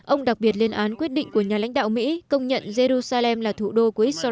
ông đặc biệt lên án quyết định của nhà lãnh đạo mỹ công nhận jerusalem là thủ đô